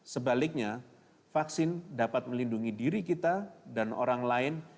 sebaliknya vaksin dapat melindungi diri kita dan orang lain